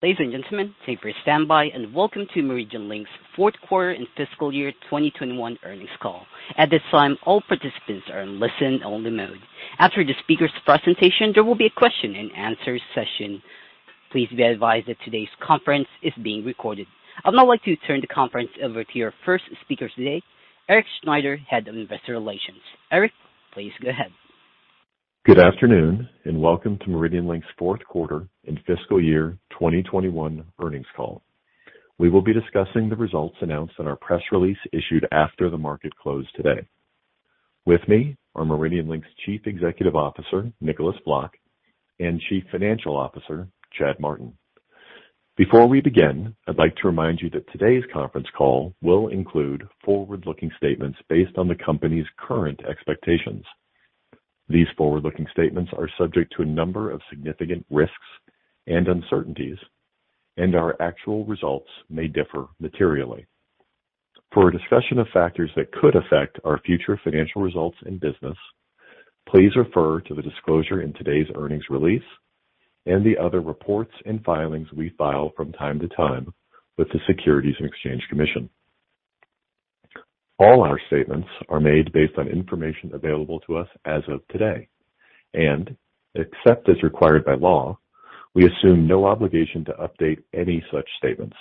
Ladies and gentlemen, thank you for your standby, and welcome to MeridianLink's Fourth Quarter and Fiscal Year 2021 Earnings Call. At this time, all participants are in listen-only mode. After the speakers' presentation, there will be a question and answer session. Please be advised that today's conference is being recorded. I would now like to turn the conference over to your first speaker today, Erik Schneider, Head of Investor Relations. Erik, please go ahead. Good afternoon, and welcome to MeridianLink's Fourth Quarter and Fiscal Year 2021 Earnings Call. We will be discussing the results announced in our press release issued after the market closed today. With me are MeridianLink's Chief Executive Officer, Nicolaas Vlok, and Chief Financial Officer, Chad Martin. Before we begin, I'd like to remind you that today's conference call will include forward-looking statements based on the company's current expectations. These forward-looking statements are subject to a number of significant risks and uncertainties, and our actual results may differ materially. For a discussion of factors that could affect our future financial results and business, please refer to the disclosure in today's earnings release and the other reports and filings we file from time to time with the Securities and Exchange Commission. All our statements are made based on information available to us as of today, and except as required by law, we assume no obligation to update any such statements.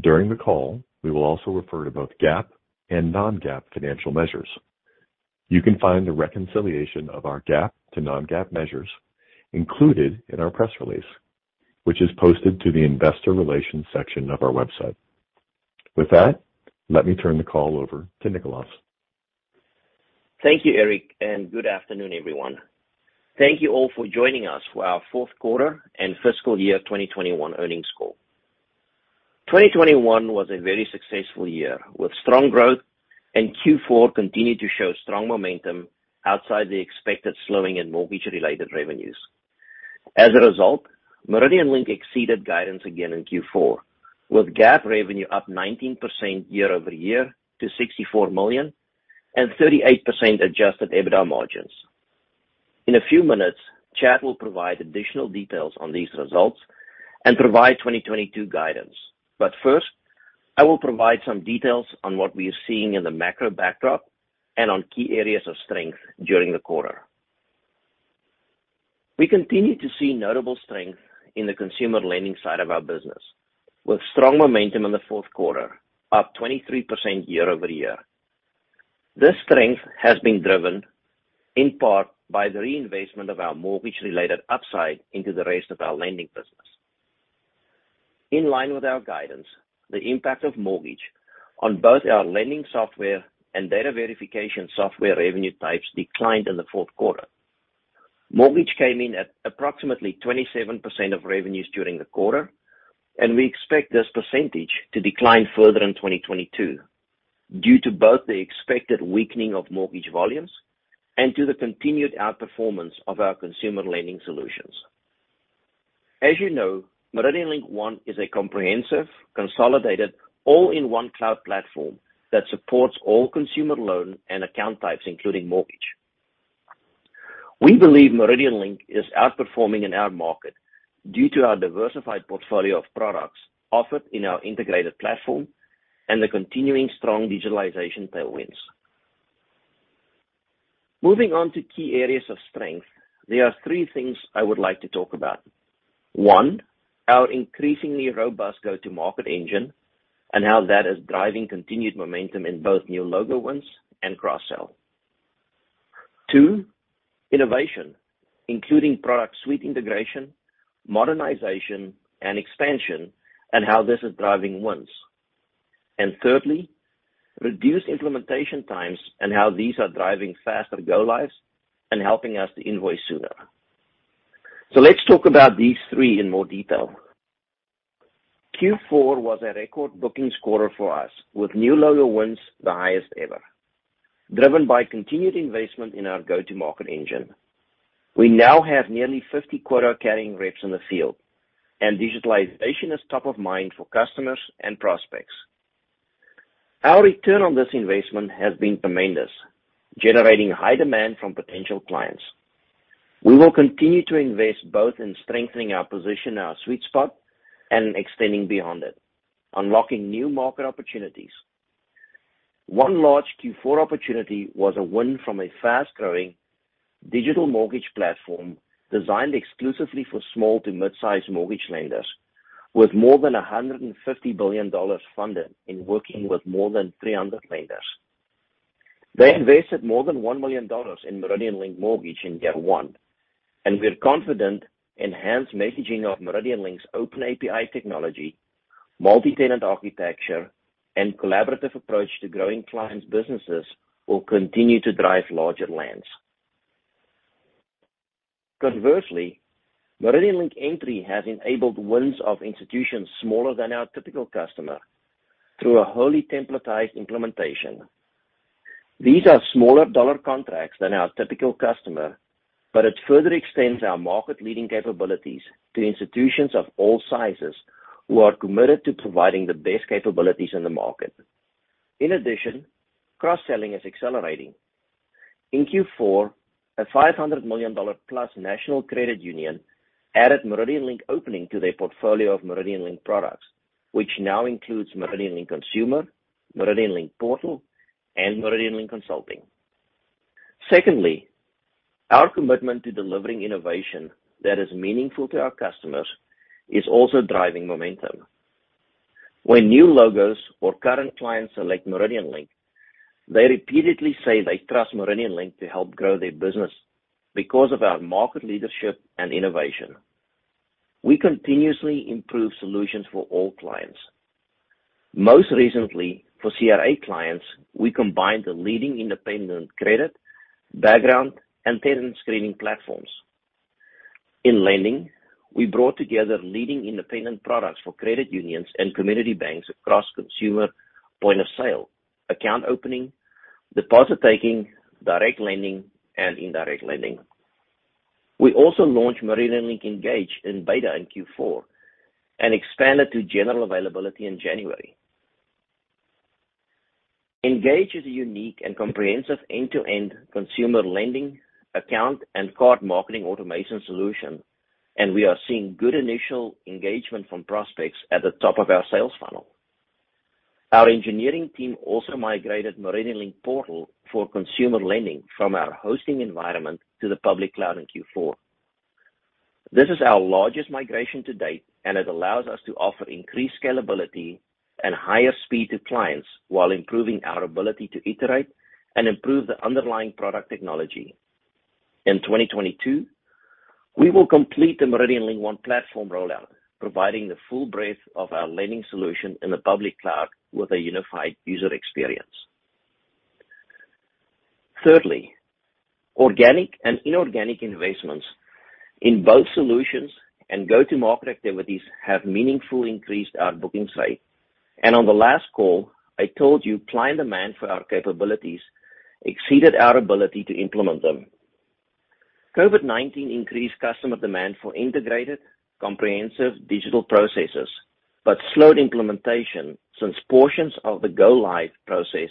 During the call, we will also refer to both GAAP and non-GAAP financial measures. You can find the reconciliation of our GAAP to non-GAAP measures included in our press release, which is posted to the investor relations section of our website. With that, let me turn the call over to Nicolaas. Thank you, Erik, and good afternoon, everyone. Thank you all for joining us for our Fourth Quarter and Fiscal Year 2021 Earnings Call. 2021 was a very successful year with strong growth, and Q4 continued to show strong momentum outside the expected slowing in mortgage-related revenues. As a result, MeridianLink exceeded guidance again in Q4, with GAAP revenue up 19% year-over-year to $64 million and 38% adjusted EBITDA margins. In a few minutes, Chad will provide additional details on these results and provide 2022 guidance. First, I will provide some details on what we are seeing in the macro backdrop and on key areas of strength during the quarter. We continue to see notable strength in the consumer lending side of our business, with strong momentum in the fourth quarter, up 23% year-over-year. This strength has been driven in part by the reinvestment of our mortgage-related upside into the rest of our Lending business. In line with our guidance, the impact of mortgage on both our lending software and data verification software revenue types declined in the fourth quarter. Mortgage came in at approximately 27% of revenues during the quarter, and we expect this percentage to decline further in 2022 due to both the expected weakening of mortgage volumes and to the continued outperformance of our consumer lending solutions. As you know, MeridianLink One is a comprehensive, consolidated all-in-one cloud platform that supports all consumer loan and account types, including mortgage. We believe MeridianLink is outperforming in our market due to our diversified portfolio of products offered in our integrated platform and the continuing strong digitalization tailwinds. Moving on to key areas of strength, there are three things I would like to talk about. One, our increasingly robust go-to-market engine and how that is driving continued momentum in both new logo wins and cross-sell. Two, innovation, including product suite integration, modernization, and expansion, and how this is driving wins. And thirdly, reduced implementation times and how these are driving faster go lives and helping us to invoice sooner. Let's talk about these three in more detail. Q4 was a record bookings quarter for us, with new logo wins the highest ever, driven by continued investment in our go-to-market engine. We now have nearly 50 quota-carrying reps in the field, and digitalization is top of mind for customers and prospects. Our return on this investment has been tremendous, generating high demand from potential clients. We will continue to invest both in strengthening our position in our sweet spot and extending beyond it, unlocking new market opportunities. One large Q4 opportunity was a win from a fast-growing digital mortgage platform designed exclusively for small to mid-size mortgage lenders with more than $150 billion funded in working with more than 300 lenders. They invested more than $1 million in MeridianLink Mortgage in year one, and we're confident enhanced messaging of MeridianLink's open API technology, multi-tenant architecture, and collaborative approach to growing clients' businesses will continue to drive larger lands. Conversely, MeridianLink Entry has enabled wins of institutions smaller than our typical customer through a wholly templatized implementation. These are smaller dollar contracts than our typical customer, but it further extends our market-leading capabilities to institutions of all sizes who are committed to providing the best capabilities in the market. In addition, cross-selling is accelerating. In Q4, a $500 million-plus national credit union added MeridianLink Opening to their portfolio of MeridianLink products, which now includes MeridianLink Consumer, MeridianLink Portal, and MeridianLink Consulting. Secondly, our commitment to delivering innovation that is meaningful to our customers is also driving momentum. When new logos or current clients select MeridianLink, they repeatedly say they trust MeridianLink to help grow their business because of our market leadership and innovation. We continuously improve solutions for all clients. Most recently, for CRA clients, we combined the leading independent credit background and tenant screening platforms. In lending, we brought together leading independent products for credit unions and community banks across consumer point of sale, account opening, deposit taking, direct lending and indirect lending. We also launched MeridianLink Engage in beta in Q4 and expanded to general availability in January. Engage is a unique and comprehensive end-to-end consumer lending account and card marketing automation solution, and we are seeing good initial engagement from prospects at the top of our sales funnel. Our engineering team also migrated MeridianLink Portal for consumer lending from our hosting environment to the public cloud in Q4. This is our largest migration to date, and it allows us to offer increased scalability and higher speed to clients while improving our ability to iterate and improve the underlying product technology. In 2022, we will complete the MeridianLink One platform rollout, providing the full breadth of our lending solution in the public cloud with a unified user experience. Thirdly, organic and inorganic investments in both solutions and go-to-market activities have meaningfully increased our booking rate. On the last call, I told you client demand for our capabilities exceeded our ability to implement them. COVID-19 increased customer demand for integrated, comprehensive digital processes, but slowed implementation since portions of the go-live process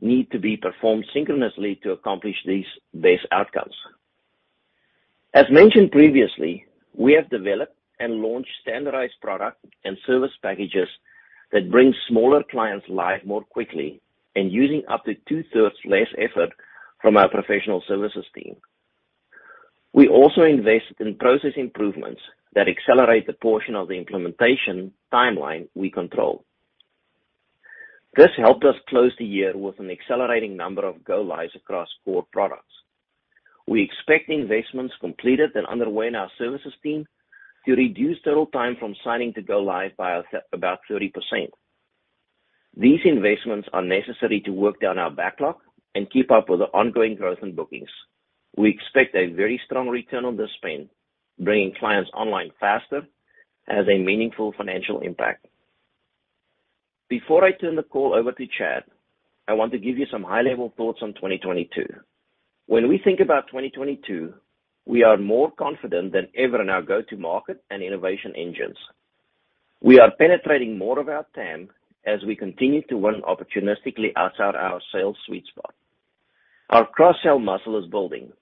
need to be performed synchronously to accomplish these best outcomes. As mentioned previously, we have developed and launched standardized product and service packages that bring smaller clients live more quickly and using up to two-thirds less effort from our professional services team. We also invest in process improvements that accelerate the portion of the implementation timeline we control. This helped us close the year with an accelerating number of go-lives across core products. We expect the investments completed and underway in our services team to reduce total time from signing to go live by about 30%. These investments are necessary to work down our backlog and keep up with the ongoing growth in bookings. We expect a very strong return on this spend, bringing clients online faster has a meaningful financial impact. Before I turn the call over to Chad, I want to give you some high-level thoughts on 2022. When we think about 2022, we are more confident than ever in our go-to-market and innovation engines. We are penetrating more of our TAM as we continue to win opportunistically outside our sales sweet spot. Our cross-sell muscle is building,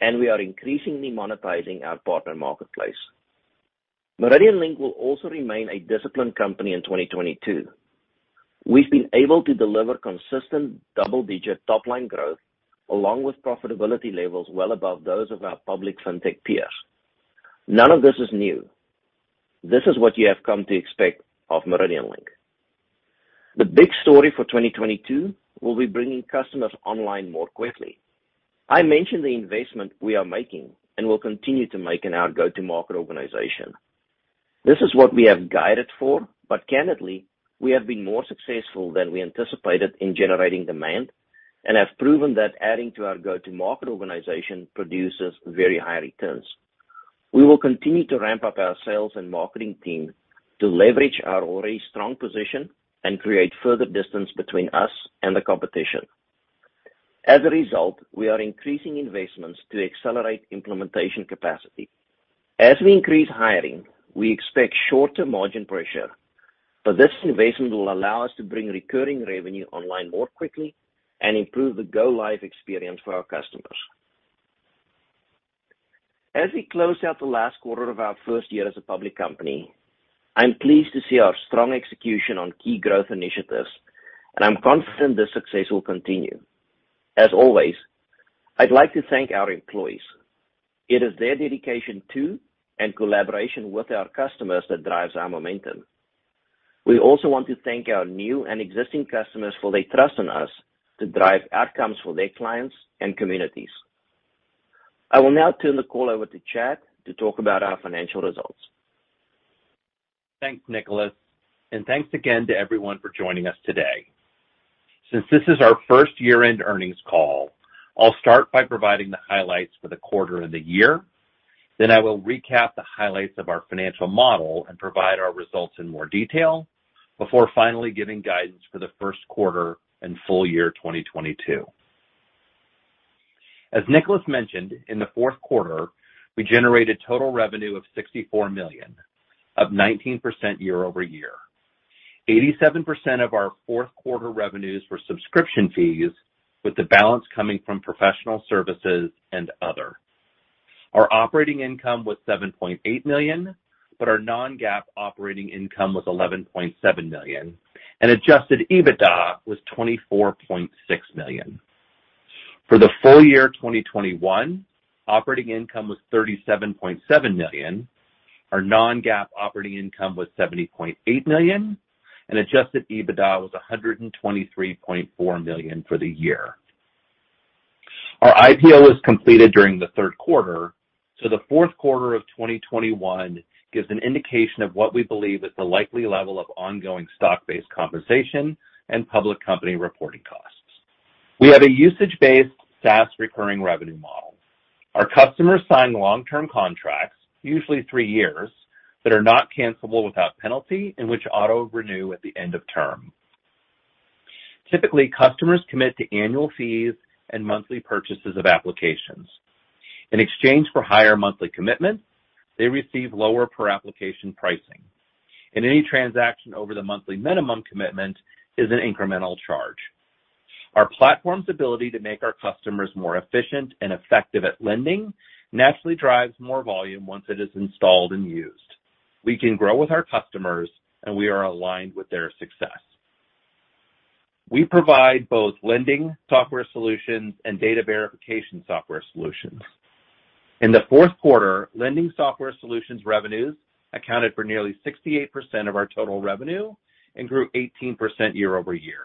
and we are increasingly monetizing our partner marketplace. MeridianLink will also remain a disciplined company in 2022. We've been able to deliver consistent double-digit top-line growth along with profitability levels well above those of our public fintech peers. None of this is new. This is what you have come to expect of MeridianLink. The big story for 2022 will be bringing customers online more quickly. I mentioned the investment we are making and will continue to make in our go-to-market organization. This is what we have guided for, but candidly, we have been more successful than we anticipated in generating demand and have proven that adding to our go-to-market organization produces very high returns. We will continue to ramp up our sales and marketing team to leverage our already strong position and create further distance between us and the competition. As a result, we are increasing investments to accelerate implementation capacity. As we increase hiring, we expect short-term margin pressure, but this investment will allow us to bring recurring revenue online more quickly and improve the go-live experience for our customers. As we close out the last quarter of our first year as a public company, I'm pleased to see our strong execution on key growth initiatives, and I'm confident this success will continue. As always, I'd like to thank our employees. It is their dedication to and collaboration with our customers that drives our momentum. We also want to thank our new and existing customers for their trust in us to drive outcomes for their clients and communities. I will now turn the call over to Chad to talk about our financial results. Thanks, Nicolaas, and thanks again to everyone for joining us today. Since this is our First Year End Earnings Call, I'll start by providing the highlights for the quarter and the year. I will recap the highlights of our financial model and provide our results in more detail before finally giving guidance for the first quarter and full year 2022. As Nicolaas mentioned, in the fourth quarter, we generated total revenue of $64 million, up 19% year-over-year. 87% of our fourth quarter revenues were subscription fees, with the balance coming from professional services and other. Our operating income was $7.8 million, but our non-GAAP operating income was $11.7 million, and adjusted EBITDA was $24.6 million. For the full year 2021, operating income was $37.7 million. Our non-GAAP operating income was $70.8 million, and adjusted EBITDA was $123.4 million for the year. Our IPO was completed during the third quarter, so the fourth quarter of 2021 gives an indication of what we believe is the likely level of ongoing stock-based compensation and public company reporting costs. We have a usage-based SaaS recurring revenue model. Our customers sign long-term contracts, usually three years, that are not cancelable without penalty and which auto-renew at the end of term. Typically, customers commit to annual fees and monthly purchases of applications. In exchange for higher monthly commitments, they receive lower per-application pricing, and any transaction over the monthly minimum commitment is an incremental charge. Our platform's ability to make our customers more efficient and effective at lending naturally drives more volume once it is installed and used. We can grow with our customers, and we are aligned with their success. We provide both lending software solutions and data verification software solutions. In the fourth quarter, lending software solutions revenues accounted for nearly 68% of our total revenue and grew 18% year-over-year.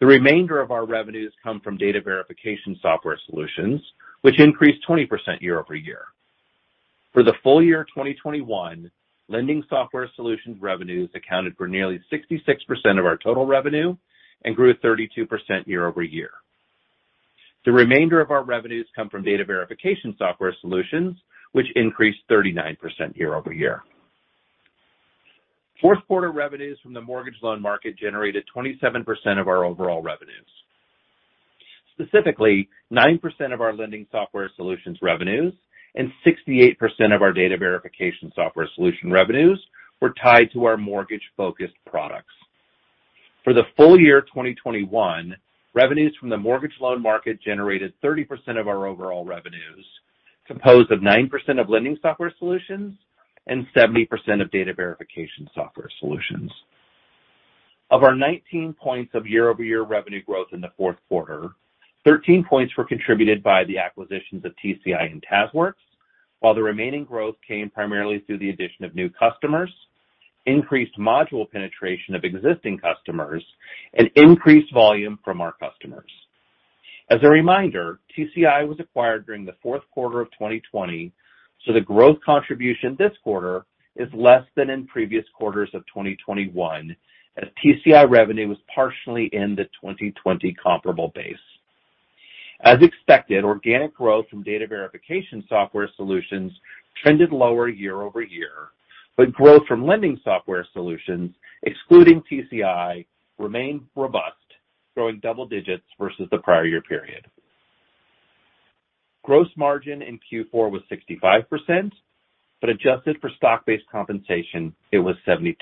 The remainder of our revenues come from data verification software solutions, which increased 20% year-over-year. For the full year 2021, lending software solutions revenues accounted for nearly 66% of our total revenue and grew 32% year-over-year. The remainder of our revenues come from data verification software solutions, which increased 39% year-over-year. Fourth quarter revenues from the mortgage loan market generated 27% of our overall revenues. Specifically, 9% of our lending software solutions revenues and 68% of our data verification software solution revenues were tied to our mortgage-focused products. For the full year 2021, revenues from the mortgage loan market generated 30% of our overall revenues, composed of 9% of lending software solutions and 70% of data verification software solutions. Of our 19 points of year-over-year revenue growth in the fourth quarter, 13 points were contributed by the acquisitions of TCI and TazWorks, while the remaining growth came primarily through the addition of new customers, increased module penetration of existing customers, and increased volume from our customers. As a reminder, TCI was acquired during the fourth quarter of 2020, so the growth contribution this quarter is less than in previous quarters of 2021 as TCI revenue was partially in the 2020 comparable base. As expected, organic growth from data verification software solutions trended lower year-over-year, but growth from lending software solutions, excluding TCI, remained robust, growing double digits versus the prior year period. Gross margin in Q4 was 65%, but adjusted for stock-based compensation, it was 72%.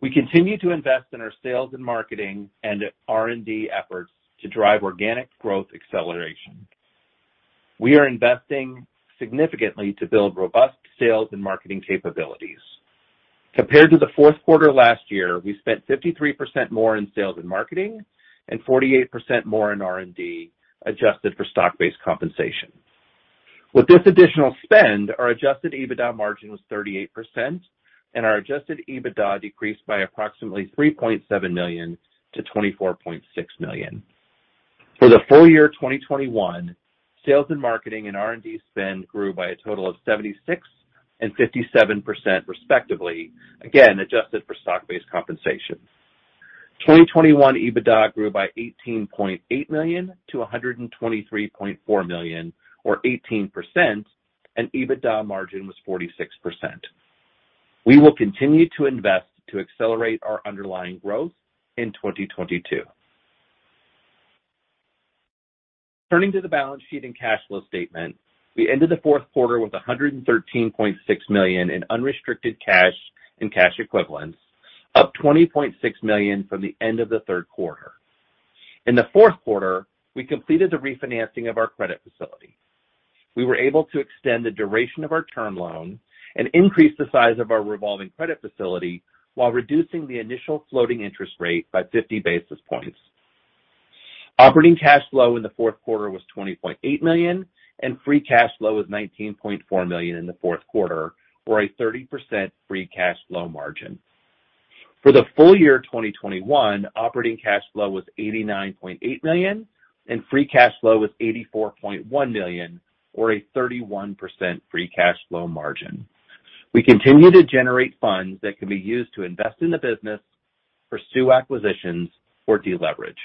We continue to invest in our sales and marketing and R&D efforts to drive organic growth acceleration. We are investing significantly to build robust sales and marketing capabilities. Compared to the fourth quarter last year, we spent 53% more in sales and marketing and 48% more in R&D, adjusted for stock-based compensation. With this additional spend, our adjusted EBITDA margin was 38% and our adjusted EBITDA decreased by approximately $3.7 million-$24.6 million. For the full year 2021, sales and marketing and R&D spend grew by a total of 76% and 57% respectively, again, adjusted for stock-based compensation. 2021 EBITDA grew by $18.8 million-$123.4 million, or 18%, and EBITDA margin was 46%. We will continue to invest to accelerate our underlying growth in 2022. Turning to the balance sheet and cash flow statement, we ended the fourth quarter with $113.6 million in unrestricted cash and cash equivalents, up $20.6 million from the end of the third quarter. In the fourth quarter, we completed the refinancing of our credit facility. We were able to extend the duration of our term loan and increase the size of our revolving credit facility while reducing the initial floating interest rate by 50 basis points. Operating cash flow in the fourth quarter was $20.8 million, and free cash flow was $19.4 million in the fourth quarter, or a 30% free cash flow margin. For the full year 2021, operating cash flow was $89.8 million, and free cash flow was $84.1 million, or a 31% free cash flow margin. We continue to generate funds that can be used to invest in the business, pursue acquisitions, or deleverage.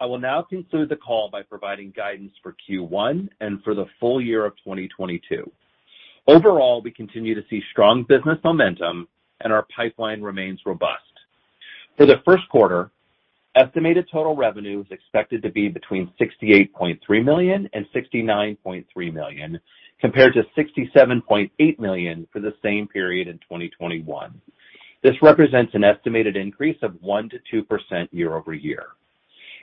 I will now conclude the call by providing guidance for Q1 and for the full year of 2022. Overall, we continue to see strong business momentum and our pipeline remains robust. For the first quarter, estimated total revenue is expected to be between $68.3 million and $69.3 million, compared to $67.8 million for the same period in 2021. This represents an estimated increase of 1%-2% year-over-year.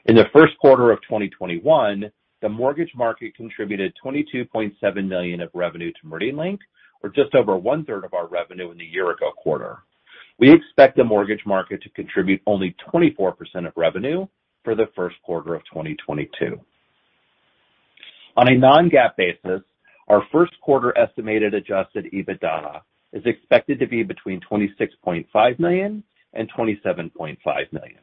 In the first quarter of 2021, the mortgage market contributed $22.7 million of revenue to MeridianLink, or just over one-third of our revenue in the year-ago quarter. We expect the mortgage market to contribute only 24% of revenue for the first quarter of 2022. On a non-GAAP basis, our first quarter estimated adjusted EBITDA is expected to be between $26.5 million and $27.5 million,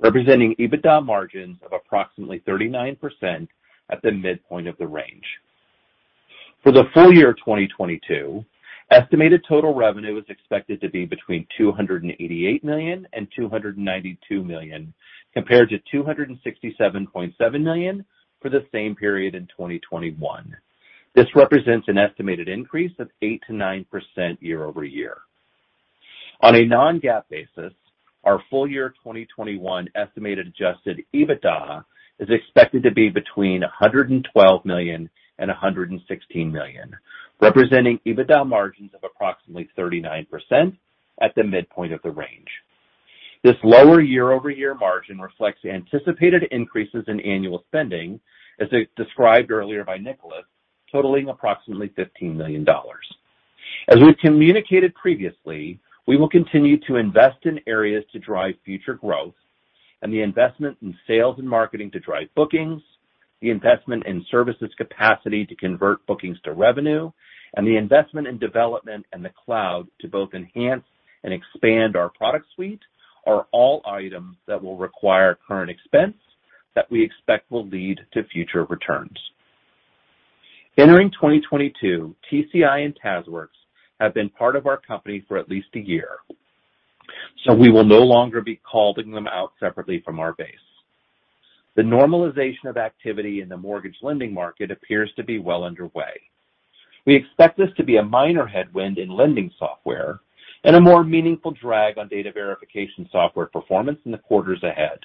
representing EBITDA margins of approximately 39% at the midpoint of the range. For the full year of 2022, estimated total revenue is expected to be between $288 million and $292 million, compared to $267.7 million for the same period in 2021. This represents an estimated increase of 8%-9% year-over-year. On a non-GAAP basis, our full year 2021 estimated adjusted EBITDA is expected to be between $112 million and $116 million, representing EBITDA margins of approximately 39% at the midpoint of the range. This lower year-over-year margin reflects anticipated increases in annual spending, as described earlier by Nicolaas, totaling approximately $15 million. We've communicated previously, we will continue to invest in areas to drive future growth and the investment in sales and marketing to drive bookings, the investment in services capacity to convert bookings to revenue, and the investment in development and the cloud to both enhance and expand our product suite are all items that will require current expense that we expect will lead to future returns. Entering 2022, TCI and TazWorks have been part of our company for at least a year, so we will no longer be calling them out separately from our base. The normalization of activity in the mortgage lending market appears to be well underway. We expect this to be a minor headwind in lending software and a more meaningful drag on data verification software performance in the quarters ahead.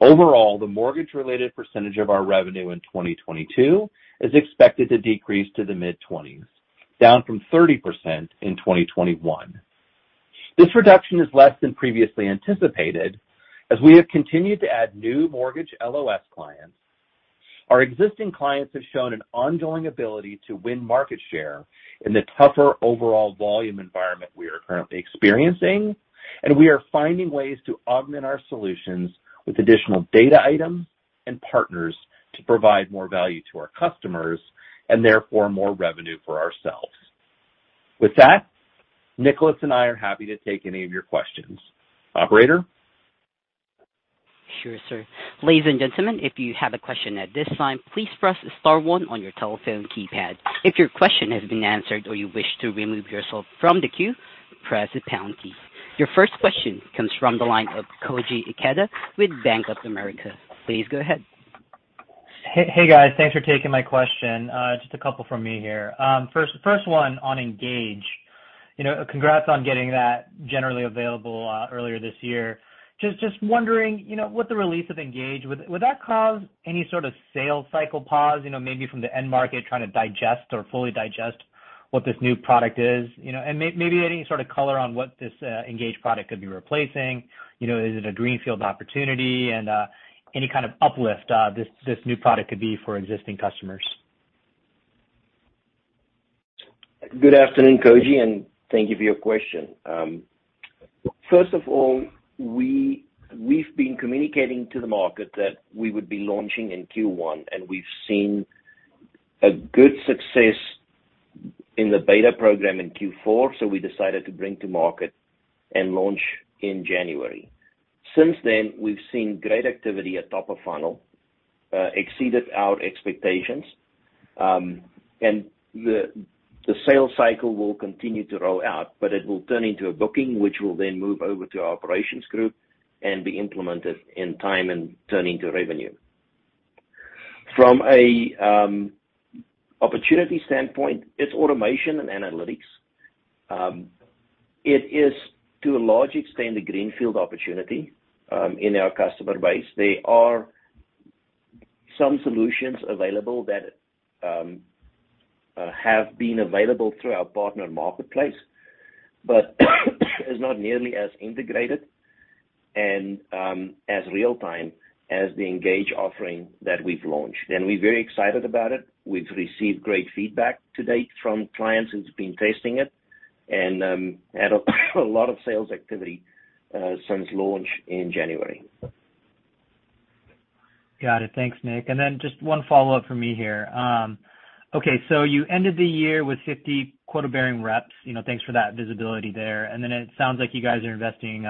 Overall, the mortgage-related percentage of our revenue in 2022 is expected to decrease to the mid-20s, down from 30% in 2021. This reduction is less than previously anticipated, as we have continued to add new mortgage LOS clients. Our existing clients have shown an ongoing ability to win market share in the tougher overall volume environment we are currently experiencing, and we are finding ways to augment our solutions with additional data items and partners to provide more value to our customers and therefore more revenue for ourselves. With that, Nicolaas and I are happy to take any of your questions. Operator? Sure, sir. Ladies and gentlemen, if you have a question at this time, please press star one on your telephone keypad. If your question has been answered or you wish to remove yourself from the queue, press the pound key. Your first question comes from the line of Koji Ikeda with Bank of America. Please go ahead. Hey, guys. Thanks for taking my question. Just a couple from me here. First one on Engage. You know, congrats on getting that generally available earlier this year. Just wondering, you know, with the release of Engage, would that cause any sort of sales cycle pause, you know, maybe from the end market trying to digest or fully digest what this new product is, you know? Maybe any sort of color on what this Engage product could be replacing. You know, is it a greenfield opportunity? Any kind of uplift this new product could be for existing customers. Good afternoon, Koji, and thank you for your question. First of all, we've been communicating to the market that we would be launching in Q1, and we've seen a good success in the beta program in Q4, so we decided to bring to market and launch in January. Since then, we've seen great activity at top of funnel, exceeded our expectations. The sales cycle will continue to roll out, but it will turn into a booking, which will then move over to our operations group and be implemented in time and turn into revenue. From an opportunity standpoint, it's automation and analytics. It is to a large extent a greenfield opportunity in our customer base. There are some solutions available that have been available through our partner marketplace, but is not nearly as integrated and as real time as the Engage offering that we've launched. We're very excited about it. We've received great feedback to date from clients who's been testing it and had a lot of sales activity since launch in January. Got it. Thanks, Nick. Then just one follow-up from me here. Okay, you ended the year with 50 quota-bearing reps. You know, thanks for that visibility there. It sounds like you guys are investing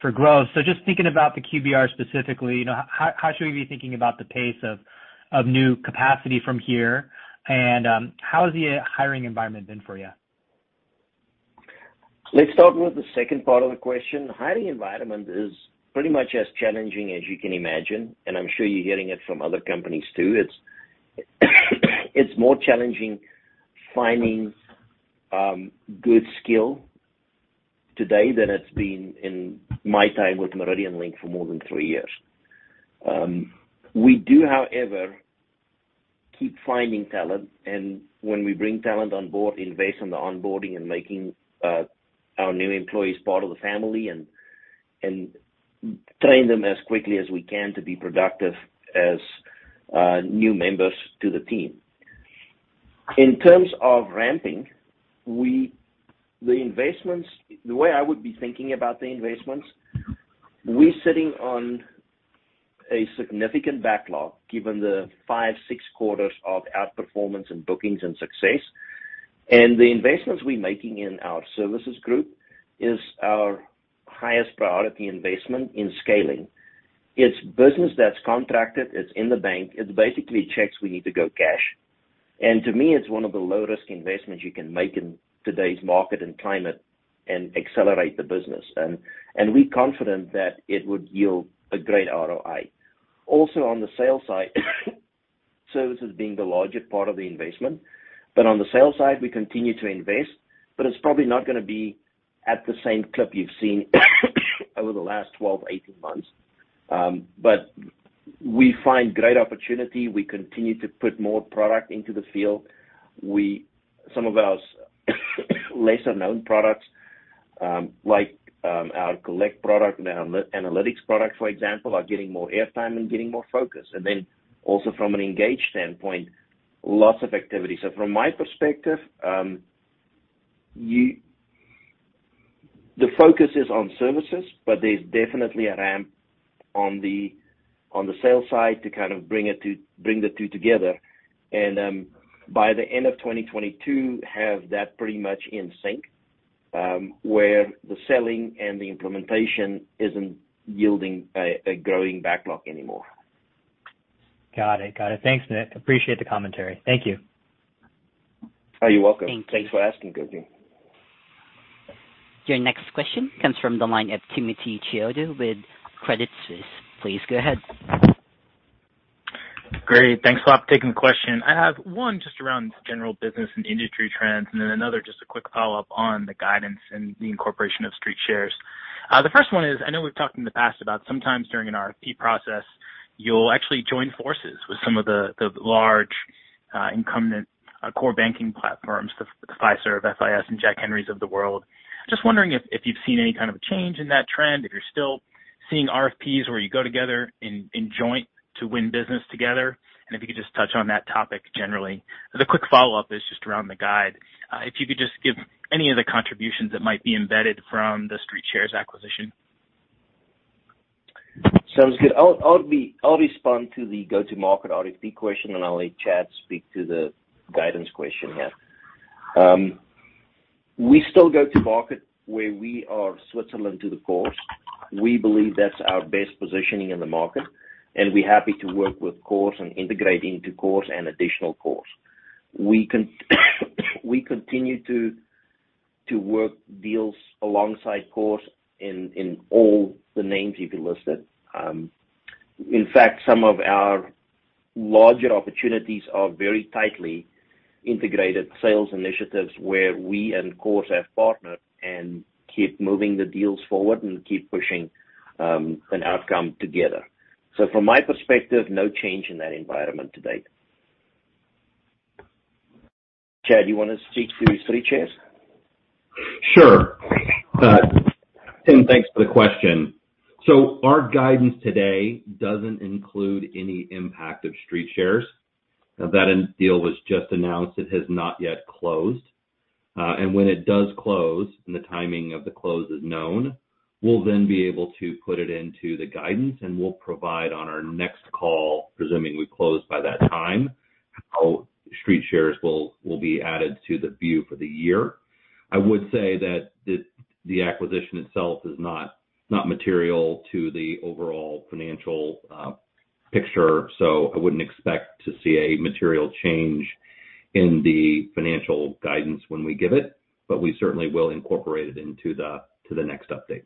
for growth. Just thinking about the QBR specifically, you know, how should we be thinking about the pace of new capacity from here? How has the hiring environment been for you? Let's start with the second part of the question. Hiring environment is pretty much as challenging as you can imagine, and I'm sure you're hearing it from other companies too. It's more challenging finding good skills today than it's been in my time with MeridianLink for more than 3 years. We do, however, keep finding talent, and when we bring talent on board, invest in the onboarding and making our new employees part of the family and train them as quickly as we can to be productive as new members to the team. In terms of ramping, the way I would be thinking about the investments, we're sitting on a significant backlog given the 5, 6 quarters of outperformance and bookings and success. The investments we're making in our services group is our highest priority investment in scaling. It's business that's contracted, it's in the bank, it's basically checks we need to go cash. To me, it's one of the low-risk investments you can make in today's market and climate and accelerate the business. We're confident that it would yield a great ROI. Also, on the sales side, services being the largest part of the investment. On the sales side, we continue to invest, but it's probably not gonna be at the same clip you've seen over the last 12, 18 months. We find great opportunity. We continue to put more product into the field. Some of our lesser-known products, like, our collect product and analytics product, for example, are getting more airtime and getting more focus. Then also from an Engage standpoint, lots of activity. From my perspective, you... The focus is on services, but there's definitely a ramp on the sales side to kind of bring the two together. By the end of 2022, have that pretty much in sync, where the selling and the implementation isn't yielding a growing backlog anymore. Got it. Thanks, Nick. Appreciate the commentary. Thank you. Oh, you're welcome. Thanks. Thanks for asking, Koji Ikeda. Your next question comes from the line of Timothy Chiodo with Credit Suisse. Please go ahead. Great. Thanks a lot for taking the question. I have one just around general business and industry trends, and then another just a quick follow-up on the guidance and the incorporation of StreetShares. The first one is, I know we've talked in the past about sometimes during an RFP process, you'll actually join forces with some of the large incumbent core banking platforms, the Fiserv, FIS, and Jack Henry of the world. Just wondering if you've seen any kind of change in that trend, if you're still seeing RFPs where you go together in joint to win business together, and if you could just touch on that topic generally. The quick follow-up is just around the guidance. If you could just give any of the contributions that might be embedded from the StreetShares acquisition. Sounds good. I'll respond to the go-to-market RFP question, and I'll let Chad speak to the guidance question, yeah. We still go to market as we are Switzerland to the cores. We believe that's our best positioning in the market, and we're happy to work with cores and integrate into cores and additional cores. We continue to work deals alongside cores in all the names you mentioned. In fact, some of our larger opportunities are very tightly integrated sales initiatives where we and cores have partnered and keep moving the deals forward and keep pushing an outcome together. From my perspective, no change in that environment to date. Chad, you wanna speak to StreetShares? Sure. Tim, thanks for the question. Our guidance today doesn't include any impact of StreetShares. Now, that M&A deal was just announced. It has not yet closed. And when it does close and the timing of the close is known, we'll then be able to put it into the guidance, and we'll provide on our next call, presuming we close by that time, how StreetShares will be added to the view for the year. I would say that the acquisition itself is not material to the overall financial picture, so I wouldn't expect to see a material change in the financial guidance when we give it, but we certainly will incorporate it into the next update.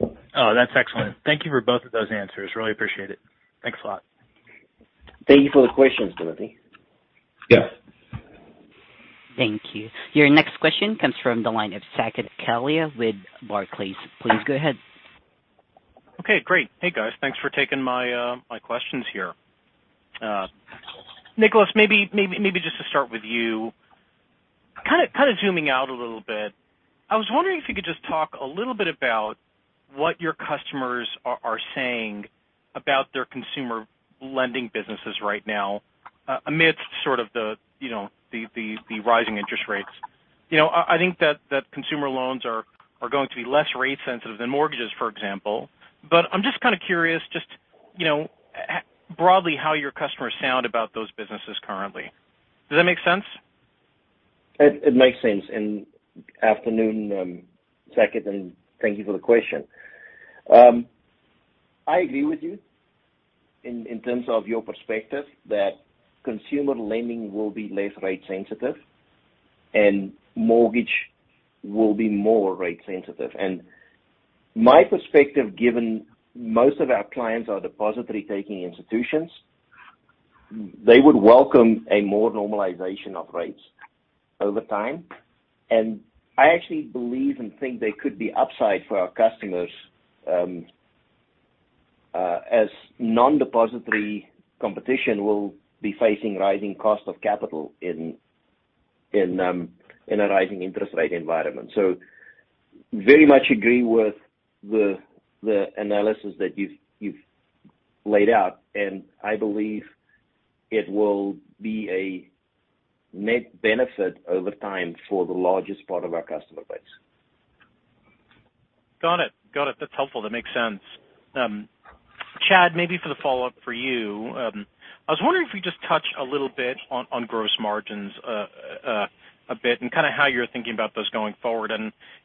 Oh, that's excellent. Thank you for both of those answers. Really appreciate it. Thanks a lot. Thank you for the questions, Timothy. Yes. Thank you. Your next question comes from the line of Saket Kalia with Barclays. Please go ahead. Okay, great. Hey, guys. Thanks for taking my questions here. Nicolaas, maybe just to start with you. Kinda zooming out a little bit, I was wondering if you could just talk a little bit about what your customers are saying about their Consumer Lending businesses right now, amidst sort of the, you know, the rising interest rates. You know, I think that consumer loans are going to be less rate sensitive than mortgages, for example. But I'm just kinda curious, you know, broadly how your customers sound about those businesses currently. Does that make sense? It makes sense. Good afternoon, Saket, and thank you for the question. I agree with you in terms of your perspective that consumer lending will be less rate sensitive and mortgage will be more rate sensitive. My perspective, given most of our clients are deposit-taking institutions, they would welcome more normalization of rates over time. I actually believe and think there could be upside for our customers, as non-depository competition will be facing rising cost of capital in a rising interest rate environment. Very much agree with the analysis that you've laid out, and I believe it will be a net benefit over time for the largest part of our customer base. Got it. That's helpful. That makes sense. Chad, maybe for the follow-up for you, I was wondering if you could just touch a little bit on gross margins a bit and kinda how you're thinking about those going forward.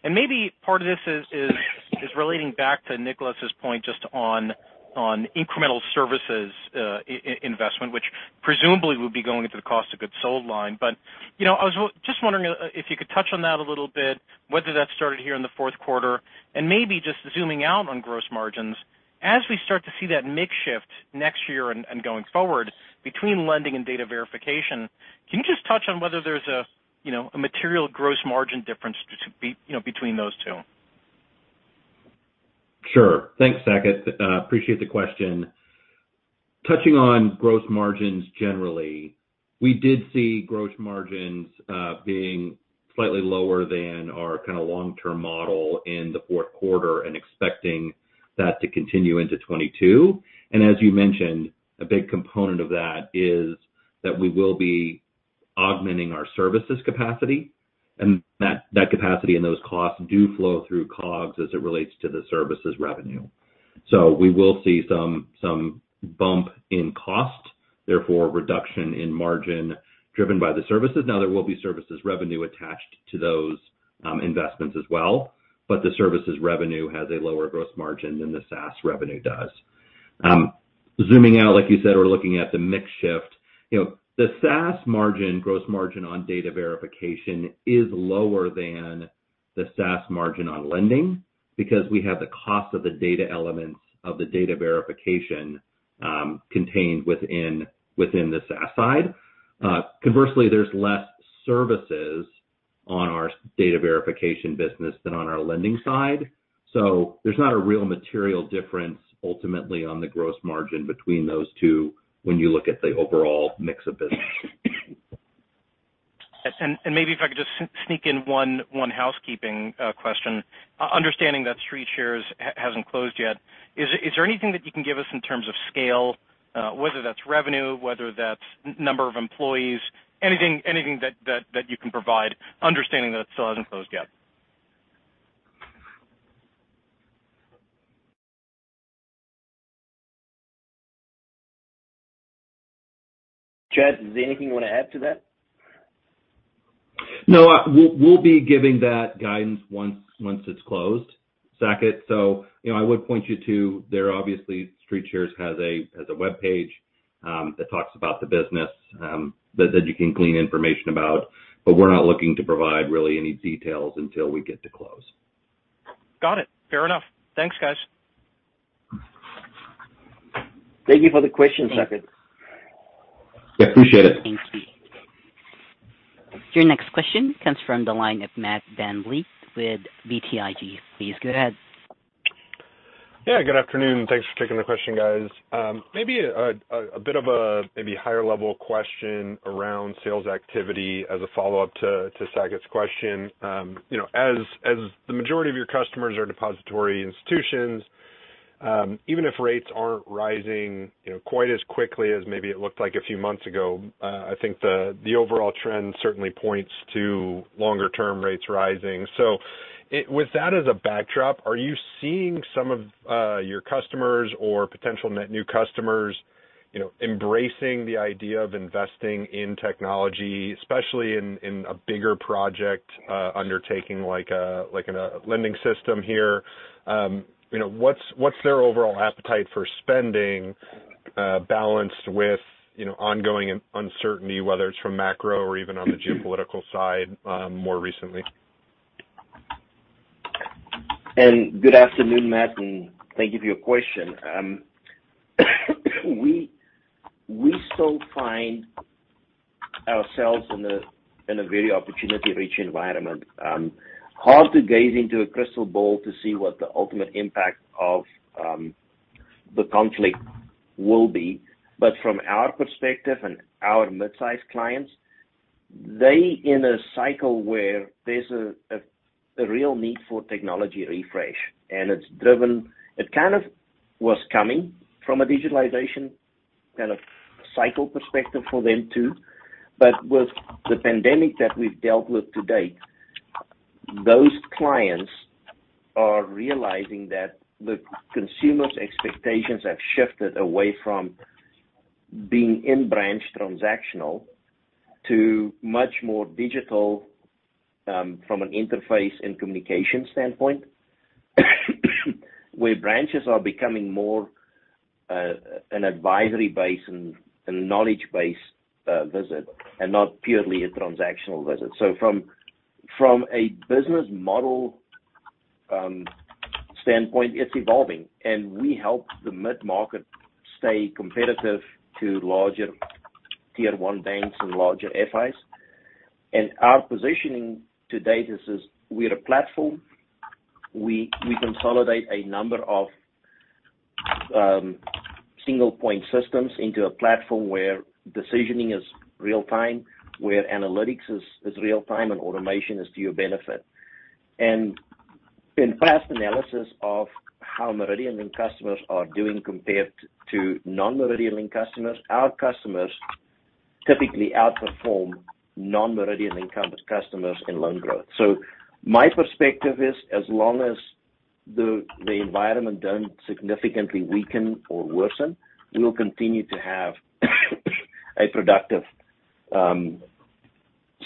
Maybe part of this is relating back to Nicolaas's point just on incremental services investment, which presumably would be going into the cost of goods sold line. You know, I was just wondering if you could touch on that a little bit, whether that started here in the fourth quarter, and maybe just zooming out on gross margins. As we start to see that mix shift next year and going forward between lending and data verification, can you just touch on whether there's a, you know, a material gross margin difference, you know, between those two? Sure. Thanks, Saket. Appreciate the question. Touching on gross margins generally, we did see gross margins being slightly lower than our kinda long-term model in the fourth quarter and expecting that to continue into 2022. As you mentioned, a big component of that is that we will be augmenting our services capacity, and that capacity and those costs do flow through COGS as it relates to the services revenue. We will see some bump in cost, therefore reduction in margin driven by the services. Now there will be services revenue attached to those investments as well, but the services revenue has a lower gross margin than the SaaS revenue does. Zooming out, like you said, we're looking at the mix shift. You know, the SaaS margin, gross margin on data verification is lower than the SaaS margin on lending because we have the cost of the data elements of the data verification, contained within the SaaS side. Conversely, there's less services on our Data Verification business than on our lending side. There's not a real material difference ultimately on the gross margin between those two when you look at the overall mix of business. Yes. Maybe if I could just sneak in one housekeeping question. Understanding that StreetShares hasn't closed yet, is there anything that you can give us in terms of scale, whether that's revenue, whether that's number of employees, anything that you can provide understanding that it still hasn't closed yet? Chad, is there anything you wanna add to that? No. We'll be giving that guidance once it's closed, Saket. You know, I would point you to their obviously StreetShares has a webpage that talks about the business that you can glean information about, but we're not looking to provide really any details until we close. Got it. Fair enough. Thanks, guys. Thank you for the question, Saket. Yeah. Appreciate it. Thanks. Your next question comes from the line of Matt VanVliet with BTIG. Please go ahead. Yeah, good afternoon. Thanks for taking the question, guys. Maybe a bit of a higher level question around sales activity as a follow-up to Saket's question. You know, as the majority of your customers are depository institutions, even if rates aren't rising, you know, quite as quickly as maybe it looked like a few months ago, I think the overall trend certainly points to longer term rates rising. So with that as a backdrop, are you seeing some of your customers or potential net new customers, you know, embracing the idea of investing in technology, especially in a bigger project undertaking like a lending system here? You know, what's their overall appetite for spending, balanced with, you know, ongoing uncertainty, whether it's from macro or even on the geopolitical side, more recently? Good afternoon, Matt, and thank you for your question. We still find ourselves in a very opportunity-rich environment. Hard to gaze into a crystal ball to see what the ultimate impact of the conflict will be. From our perspective and our midsize clients, they're in a cycle where there's a real need for technology refresh. It's driven. It kind of was coming from a digitalization kind of cycle perspective for them too. With the pandemic that we've dealt with to date, those clients are realizing that the consumer's expectations have shifted away from being in branch transactional to much more digital, from an interface and communication standpoint where branches are becoming more, an advisory base and knowledge base visit and not purely a transactional visit. From a business model standpoint, it's evolving and we help the mid-market stay competitive to larger tier one banks and larger FIs. Our positioning to date is we're a platform. We consolidate a number of single point systems into a platform where decisioning is real time, where analytics is real time and automation is to your benefit. In past analysis of how MeridianLink customers are doing compared to non-MeridianLink customers, our customers typically outperform non-MeridianLink customers in loan growth. My perspective is as long as the environment don't significantly weaken or worsen, we'll continue to have a productive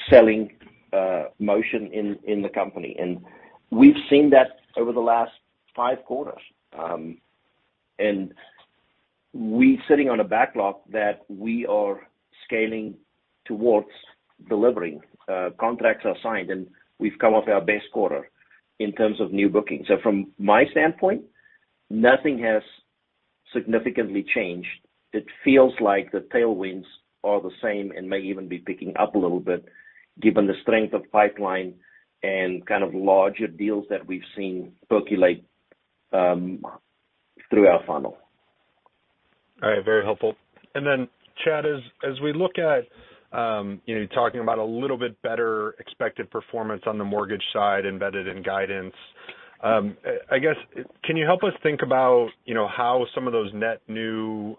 selling motion in the company. We've seen that over the last five quarters. We sitting on a backlog that we are scaling towards delivering. Contracts are signed, and we've come off our best quarter in terms of new bookings. From my standpoint, nothing has significantly changed. It feels like the tailwinds are the same and may even be picking up a little bit given the strength of pipeline and kind of larger deals that we've seen percolate through our funnel. All right. Very helpful. Chad, as we look at, you know, talking about a little bit better expected performance on the mortgage side embedded in guidance, I guess can you help us think about, you know, how some of those net new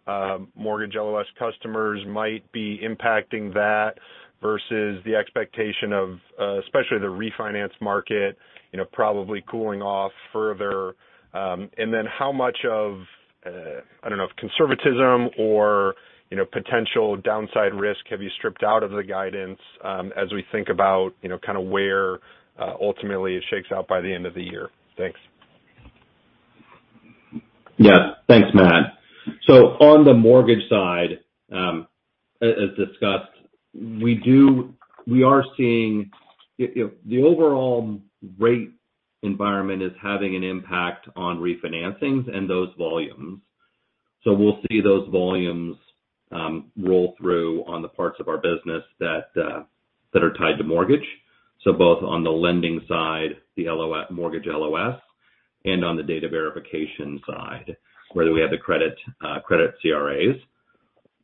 mortgage LOS customers might be impacting that versus the expectation of, especially the refinance market, you know, probably cooling off further? How much of, I don't know, conservatism or, you know, potential downside risk have you stripped out of the guidance, as we think about, you know, kinda where, ultimately it shakes out by the end of the year? Thanks. Yeah. Thanks, Matt. On the mortgage side, as discussed, we are seeing, you know, the overall rate environment is having an impact on refinancings and those volumes. We'll see those volumes roll through on the parts of our business that are tied to mortgage. Both on the lending side, the mortgage LOS, and on the data verification side, where we have the credit CRAs.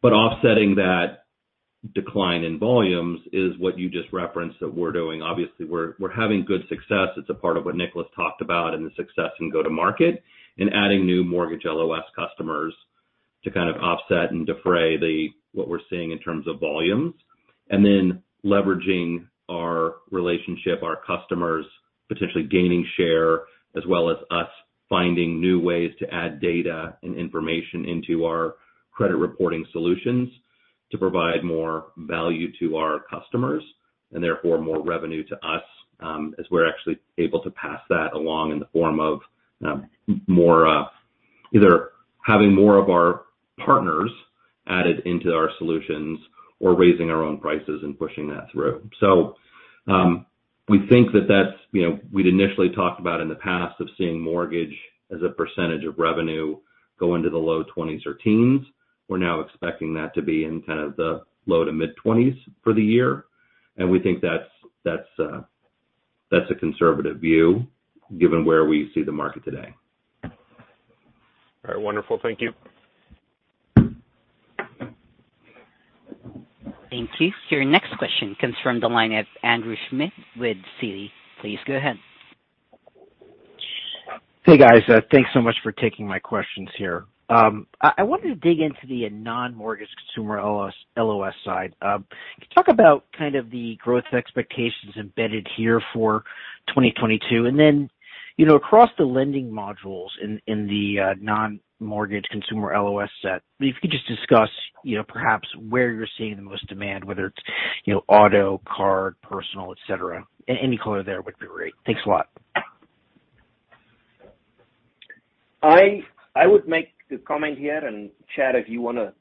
Offsetting that decline in volumes is what you just referenced that we're doing. Obviously, we're having good success. It's a part of what Nicolaas talked about and the success in go-to-market in adding new mortgage LOS customers to kind of offset and defray what we're seeing in terms of volumes. Then leveraging our relationship, our customers potentially gaining share, as well as us finding new ways to add data and information into our credit reporting solutions to provide more value to our customers, and therefore more revenue to us, as we're actually able to pass that along in the form of more, either having more of our partners added into our solutions or raising our own prices and pushing that through. We think that that's, you know, we'd initially talked about in the past of seeing mortgage as a percentage of revenue go into the low 20s or 10s. We're now expecting that to be in kind of the low- to mid-20s for the year. We think that's a conservative view given where we see the market today. All right. Wonderful. Thank you. Thank you. Your next question comes from the line of Andrew Schmidt with Citi. Please go ahead. Hey, guys. Thanks so much for taking my questions here. I wanted to dig into the non-mortgage consumer LOS side. Can you talk about kind of the growth expectations embedded here for 2022? Then, you know, across the lending modules in the non-mortgage consumer LOS set, if you could just discuss, you know, perhaps where you're seeing the most demand, whether it's, you know, auto, card, personal, et cetera. Any color there would be great. Thanks a lot. I would make the comment here, and Chad, if you wanna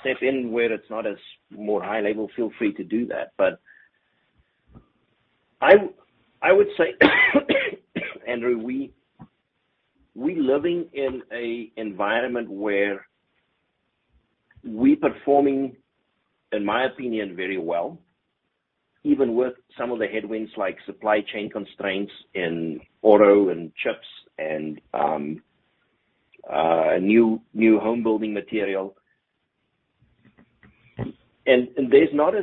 step in where it's not as more high level, feel free to do that. But I would say, Andrew, we living in an environment where we performing, in my opinion, very well, even with some of the headwinds like supply chain constraints in auto and chips and new home building material. There's not a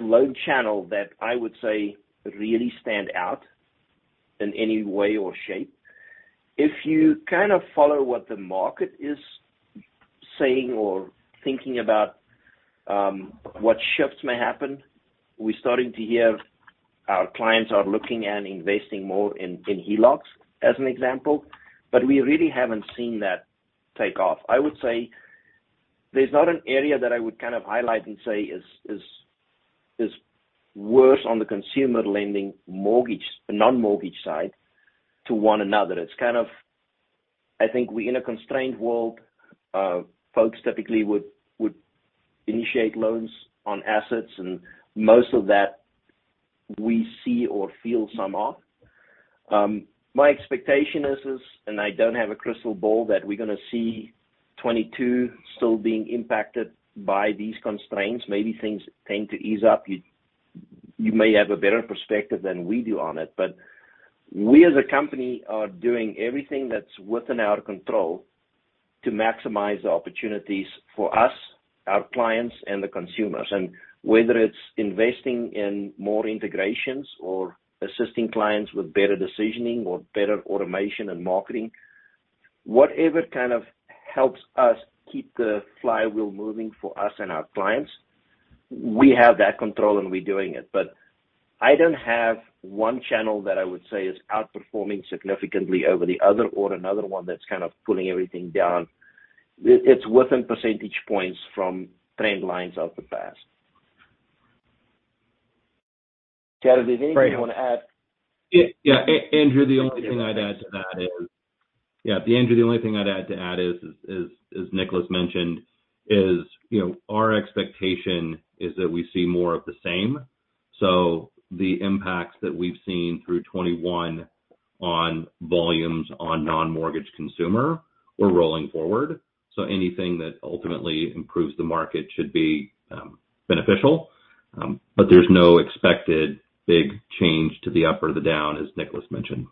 loan channel that I would say really stand out in any way or shape. If you kind of follow what the market is saying or thinking about what shifts may happen. We're starting to hear our clients are looking and investing more in HELOCs as an example, but we really haven't seen that take off. I would say there's not an area that I would kind of highlight and say is worse on the consumer lending mortgage, non-mortgage side to one another. It's kind of. I think we're in a constrained world. Folks typically would initiate loans on assets, and most of that we see or feel some of. My expectation is and I don't have a crystal ball that we're gonna see 2022 still being impacted by these constraints. Maybe things tend to ease up. You may have a better perspective than we do on it. We as a company are doing everything that's within our control to maximize the opportunities for us, our clients and the consumers. Whether it's investing in more integrations or assisting clients with better decisioning or better automation and marketing, whatever kind of helps us keep the flywheel moving for us and our clients, we have that control and we're doing it. I don't have one channel that I would say is outperforming significantly over the other or another one that's kind of pulling everything down. It's within percentage points from trend lines of the past. Chad, is there anything you wanna add? Yeah, Andrew, the only thing I'd add to that is, as Nicolaas mentioned, you know, our expectation is that we see more of the same. The impacts that we've seen through 2021 on volumes on non-mortgage consumer are rolling forward. Anything that ultimately improves the market should be beneficial. There's no expected big change to the up or the down, as Nicolaas mentioned.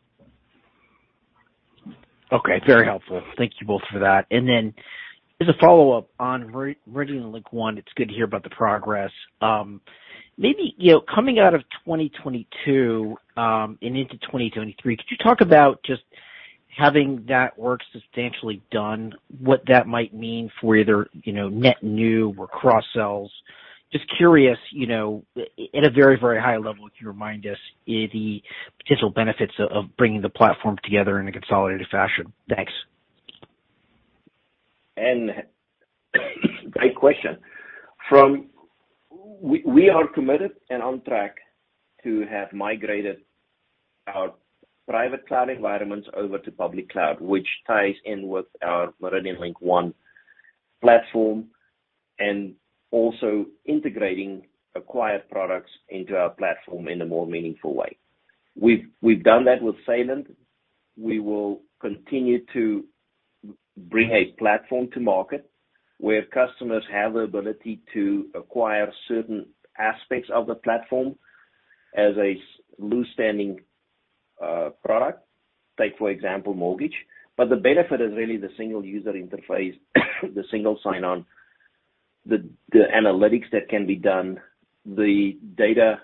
Okay. Very helpful. Thank you both for that. As a follow-up on MeridianLink One, it's good to hear about the progress. Maybe, you know, coming out of 2022, and into 2023, could you talk about just having that work substantially done, what that might mean for either, you know, net new or cross-sells? Just curious, you know, at a very, very high level, if you remind us the potential benefits of bringing the platform together in a consolidated fashion? Thanks. Great question. We are committed and on track to have migrated our private cloud environments over to public cloud, which ties in with our MeridianLink One platform, and also integrating acquired products into our platform in a more meaningful way. We've done that with Saylent. We will continue to bring a platform to market where customers have the ability to acquire certain aspects of the platform as a standalone product, take for example, mortgage. The benefit is really the single user interface, the single sign-on, the analytics that can be done, the data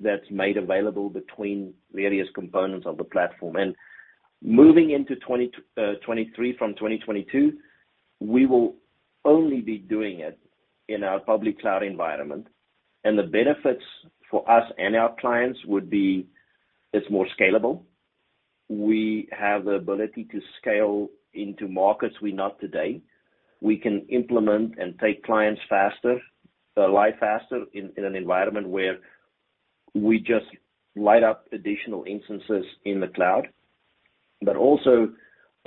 that's made available between various components of the platform. Moving into 2023 from 2022, we will only be doing it in our public cloud environment. The benefits for us and our clients would be, it's more scalable. We have the ability to scale into markets we're not today. We can implement and take clients faster, live faster in an environment where we just light up additional instances in the cloud.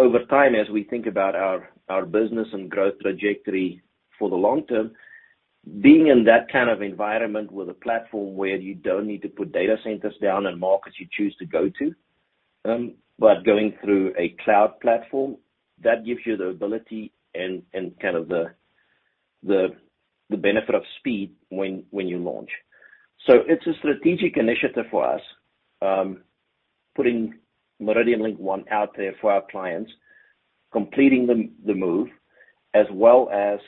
Over time, as we think about our business and growth trajectory for the long term, being in that kind of environment with a platform where you don't need to put data centers down in markets you choose to go to, but going through a cloud platform, that gives you the ability and kind of the benefit of speed when you launch. It's a strategic initiative for us, putting MeridianLink One out there for our clients, completing the move, as well as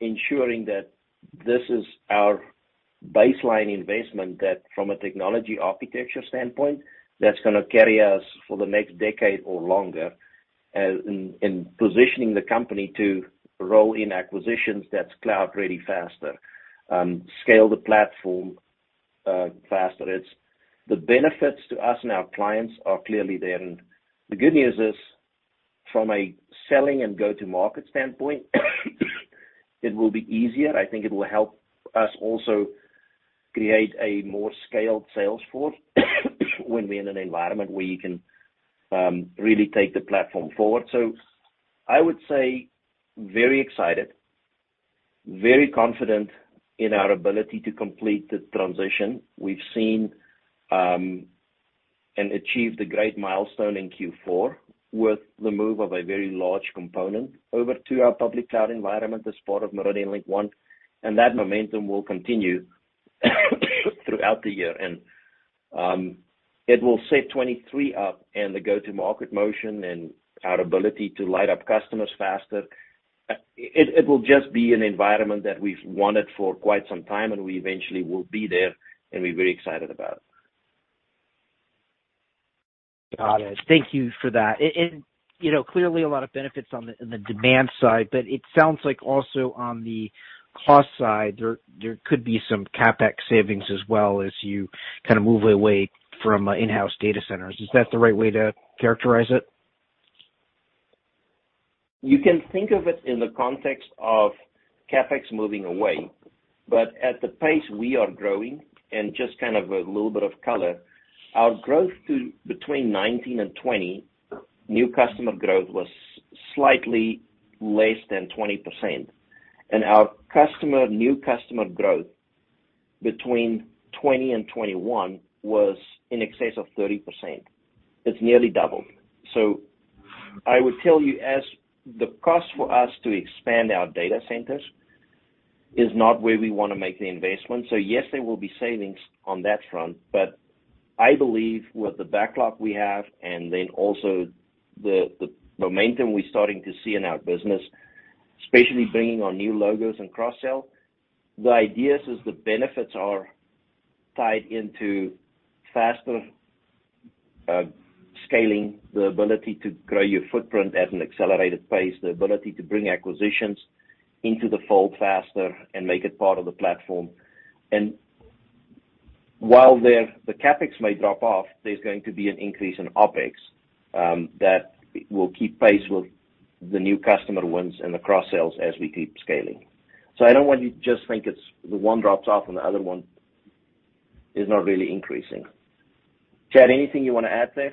ensuring that this is our baseline investment, that from a technology architecture standpoint, that's gonna carry us for the next decade or longer, in positioning the company to roll in acquisitions that's cloud ready faster, scale the platform faster. The benefits to us and our clients are clearly there. The good news is, from a selling and go-to-market standpoint, it will be easier. I think it will help us also create a more scaled sales force when we're in an environment where you can really take the platform forward. I would say very excited, very confident in our ability to complete the transition. We've seen and achieved a great milestone in Q4 with the move of a very large component over to our public cloud environment as part of MeridianLink One, and that momentum will continue throughout the year. It will set 2023 up and the go-to-market motion and our ability to light up customers faster. It will just be an environment that we've wanted for quite some time and we eventually will be there, and we're very excited about it. Got it. Thank you for that. You know, clearly a lot of benefits on the demand side, but it sounds like also on the cost side there could be some CapEx savings as well as you kind of move away from in-house data centers. Is that the right way to characterize it? You can think of it in the context of CapEx moving away, but at the pace we are growing, and just kind of a little bit of color, our new customer growth between 2019 and 2020 was slightly less than 20%. Our new customer growth between 2020 and 2021 was in excess of 30%. It's nearly doubled. I would tell you that the cost for us to expand our data centers is not where we wanna make the investment. Yes, there will be savings on that front, but I believe with the backlog we have and then also the momentum we're starting to see in our business, especially bringing on new logos and cross-sell, the idea is the benefits are tied into faster scaling the ability to grow your footprint at an accelerated pace, the ability to bring acquisitions into the fold faster and make it part of the platform. While there, the CapEx may drop off, there's going to be an increase in OpEx that will keep pace with the new customer wins and the cross-sells as we keep scaling. I don't want you to just think it's the one drops off and the other one is not really increasing. Chad, anything you wanna add there?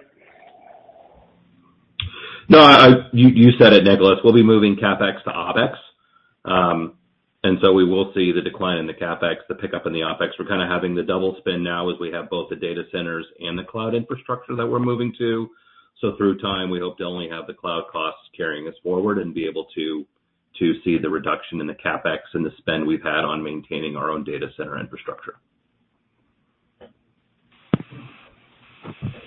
No, you said it, Nicolaas. We'll be moving CapEx to OpEx. We will see the decline in the CapEx, the pickup in the OpEx. We're kind of having the double spend now as we have both the data centers and the cloud infrastructure that we're moving to. Through time, we hope to only have the cloud costs carrying us forward and be able to see the reduction in the CapEx and the spend we've had on maintaining our own data center infrastructure.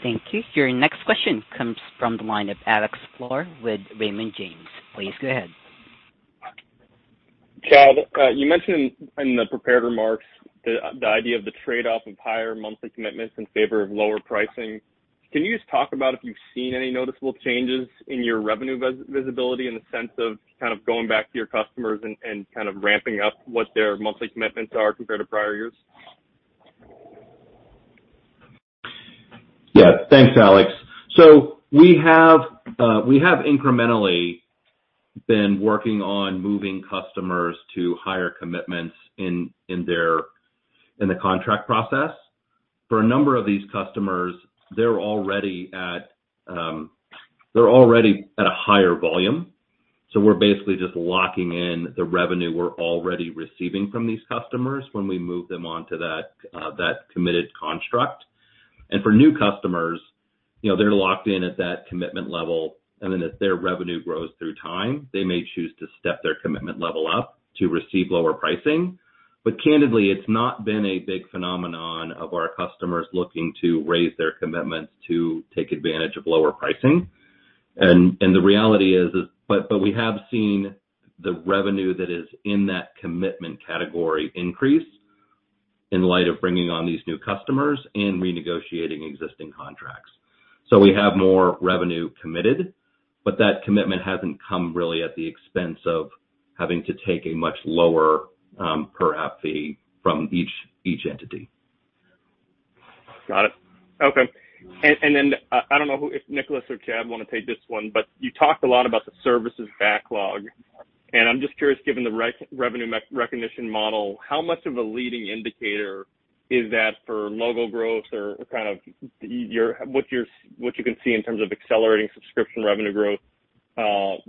Thank you. Your next question comes from the line of Alex Sklar with Raymond James. Please go ahead. Chad, you mentioned in the prepared remarks the idea of the trade-off of higher monthly commitments in favor of lower pricing. Can you just talk about if you've seen any noticeable changes in your revenue visibility in the sense of kind of going back to your customers and kind of ramping up what their monthly commitments are compared to prior years? Yeah. Thanks, Alex. We have incrementally been working on moving customers to higher commitments in their contract process. For a number of these customers, they're already at a higher volume, so we're basically just locking in the revenue we're already receiving from these customers when we move them onto that committed construct. For new customers, you know, they're locked in at that commitment level, and then as their revenue grows through time, they may choose to step their commitment level up to receive lower pricing. Candidly, it's not been a big phenomenon of our customers looking to raise their commitments to take advantage of lower pricing. We have seen the revenue that is in that commitment category increase in light of bringing on these new customers and renegotiating existing contracts. We have more revenue committed, but that commitment hasn't come really at the expense of having to take a much lower per app fee from each entity. Got it. Okay. Then, I don't know who, if Nicolaas or Chad wanna take this one, but you talked a lot about the services backlog. I'm just curious, given the revenue recognition model, how much of a leading indicator is that for logo growth or kind of your what you can see in terms of accelerating subscription revenue growth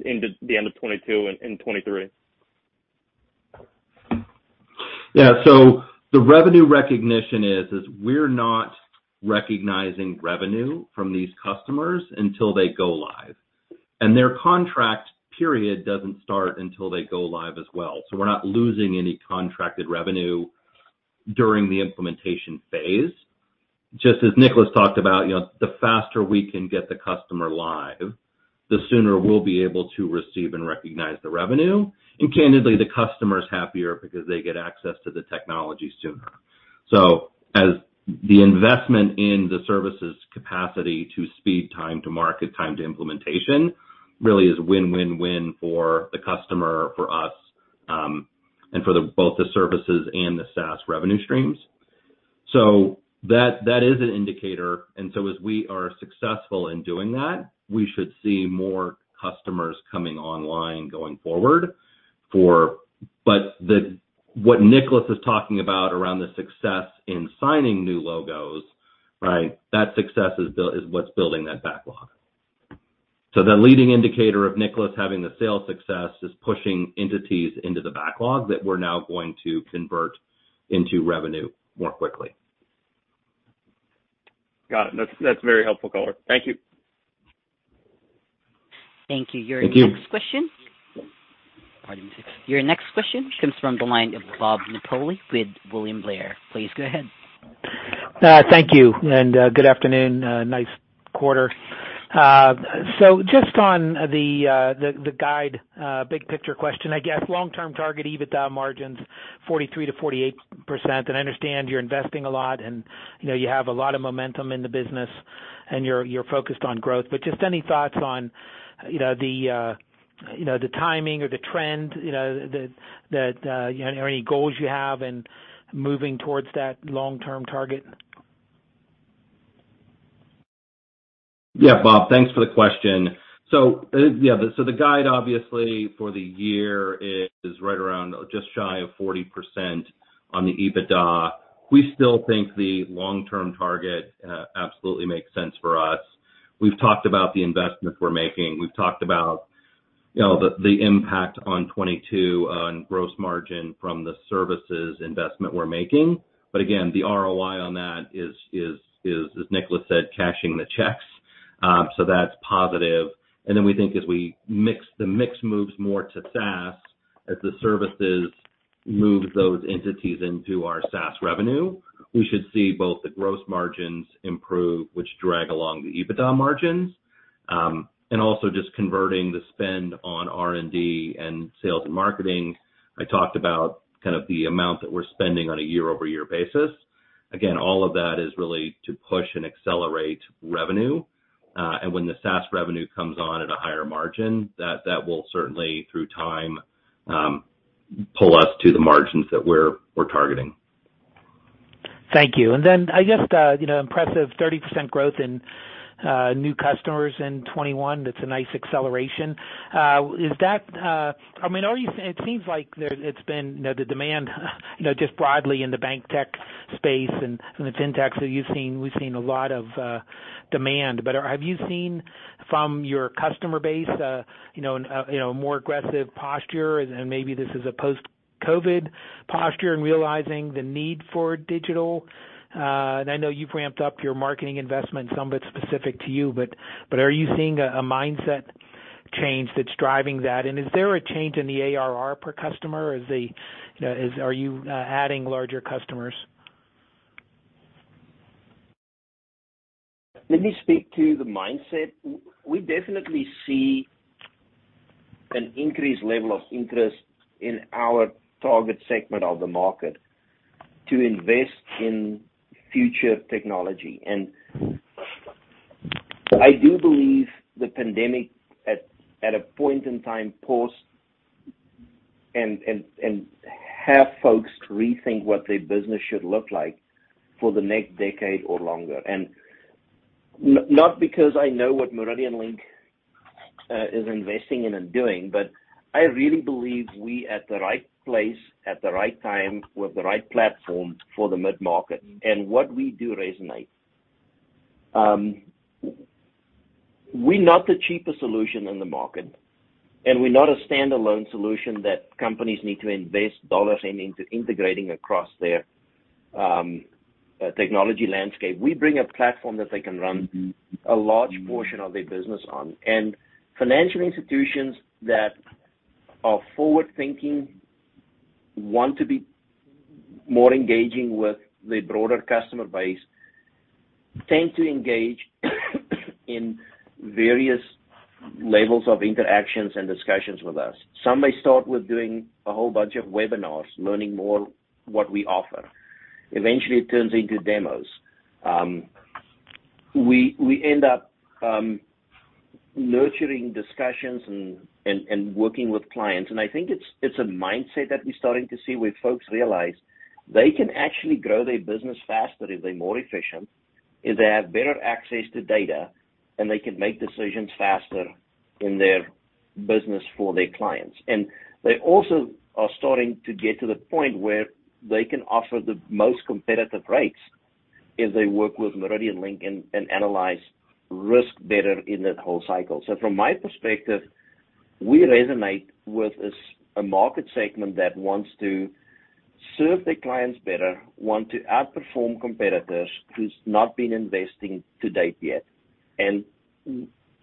into the end of 2022 and 2023? Yeah. The revenue recognition is we're not recognizing revenue from these customers until they go live. Their contract period doesn't start until they go live as well. We're not losing any contracted revenue during the implementation phase. Just as Nicolaas talked about, you know, the faster we can get the customer live, the sooner we'll be able to receive and recognize the revenue. Candidly, the customer's happier because they get access to the technology sooner. As the investment in the services capacity to speed time to market, time to implementation really is win-win-win for the customer, for us, and for both the services and the SaaS revenue streams. That is an indicator. As we are successful in doing that, we should see more customers coming online going forward for... What Nicolaas is talking about around the success in signing new logos, right? That success is what's building that backlog. The leading indicator of Nicolaas having the sales success is pushing entities into the backlog that we're now going to convert into revenue more quickly. Got it. That's a very helpful color. Thank you. Thank you. Thank you. Your next question. Pardon me. Your next question comes from the line of Bob Napoli with William Blair. Please go ahead. Thank you. Good afternoon. Nice quarter. Just on the guide, big picture question, I guess long-term target EBITDA margins 43%-48%. I understand you're investing a lot and, you know, you have a lot of momentum in the business and you're focused on growth. Just any thoughts on, you know, the timing or the trend, you know, that any goals you have in moving towards that long-term target? Yeah. Bob, thanks for the question. So the guide obviously for the year is right around just shy of 40% on the EBITDA. We still think the long-term target absolutely makes sense for us. We've talked about the investments we're making. We've talked about you know the impact on 2022 on gross margin from the services investment we're making. But again, the ROI on that is as Nicolaas said, cashing the checks. So that's positive. Then we think as the mix moves more to SaaS as the services move those entities into our SaaS revenue, we should see both the gross margins improve, which drag along the EBITDA margins. And also just converting the spend on R&D and sales and marketing. I talked about kind of the amount that we're spending on a year-over-year basis. Again, all of that is really to push and accelerate revenue. When the SaaS revenue comes on at a higher margin, that will certainly, through time, pull us to the margins that we're targeting. Thank you. Then I guess you know impressive 30% growth in new customers in 2021. That's a nice acceleration. I mean it seems like it's been you know the demand you know just broadly in the bank tech space and the FinTechs that you've seen. We've seen a lot of demand. But have you seen from your customer base more aggressive posture, and maybe this is a post-COVID posture and realizing the need for digital? I know you've ramped up your marketing investment, some of it's specific to you, but are you seeing a mindset change that's driving that? Is there a change in the ARR per customer? Are you adding larger customers? Let me speak to the mindset. We definitely see an increased level of interest in our target segment of the market to invest in future technology. I do believe the pandemic at a point in time paused and have folks rethink what their business should look like for the next decade or longer. Not because I know what MeridianLink is investing in and doing, but I really believe we at the right place at the right time with the right platform for the mid-market and what we do resonate. We're not the cheapest solution in the market, and we're not a stand-alone solution that companies need to invest dollars in integrating across their technology landscape. We bring a platform that they can run a large portion of their business on. Financial institutions that are forward-thinking want to be more engaging with the broader customer base, tend to engage in various levels of interactions and discussions with us. Some may start with doing a whole bunch of webinars, learning more what we offer. Eventually, it turns into demos. We end up nurturing discussions and working with clients. I think it's a mindset that we're starting to see where folks realize they can actually grow their business faster if they're more efficient, if they have better access to data, and they can make decisions faster in their business for their clients. They also are starting to get to the point where they can offer the most competitive rates if they work with MeridianLink and analyze risk better in that whole cycle. From my perspective, we resonate with a market segment that wants to serve their clients better, want to outperform competitors who's not been investing to date yet.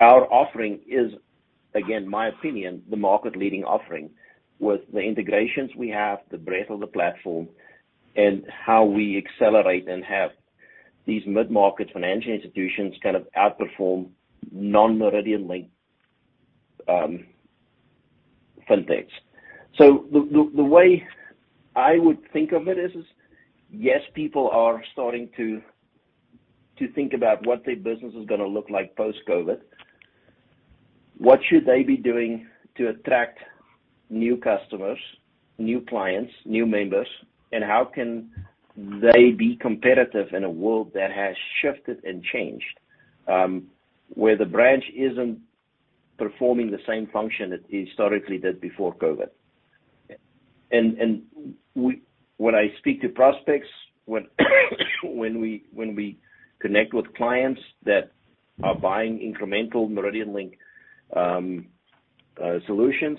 Our offering is, again, my opinion, the market leading offering with the integrations we have, the breadth of the platform, and how we accelerate and have these mid-market financial institutions kind of outperform non-MeridianLink FinTechs. The way I would think of it is yes, people are starting to think about what their business is gonna look like post-COVID. What should they be doing to attract new customers, new clients, new members, and how can they be competitive in a world that has shifted and changed, where the branch isn't performing the same function it historically did before COVID? When I speak to prospects, when we connect with clients that are buying incremental MeridianLink solutions,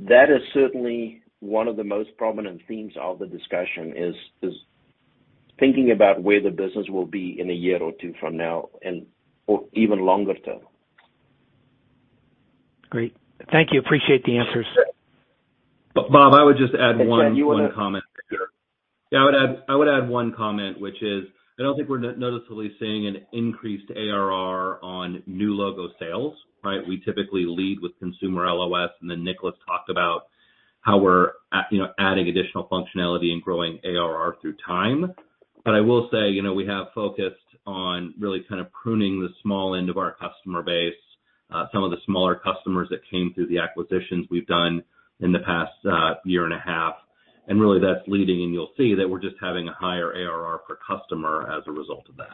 that is certainly one of the most prominent themes of the discussion, is thinking about where the business will be in a year or two from now or even longer term. Great. Thank you. Appreciate the answers. Bob, I would just add one comment. Chad, you want to? Yeah, I would add one comment, which is I don't think we're noticeably seeing an increased ARR on new logo sales, right? We typically lead with consumer LOS, and then Nicolaas talked about how we're, you know, adding additional functionality and growing ARR through time. But I will say, you know, we have focused on really kind of pruning the small end of our customer base, some of the smaller customers that came through the acquisitions we've done in the past year and a half, and really that's leading. You'll see that we're just having a higher ARR per customer as a result of that.